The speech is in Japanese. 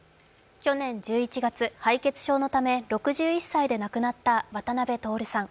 去年１１月、敗血症のため６１歳で亡くなった渡辺徹さん。